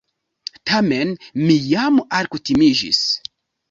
Tamen mi jam alkutimiĝis.